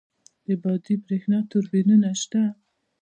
د بادی بریښنا توربینونه شته؟